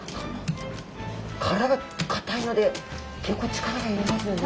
殻が硬いので結構力がいりますよね。